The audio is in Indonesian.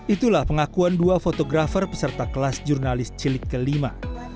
itulah pengakuan dua fotografer peserta kelas jurnalis cilik kelima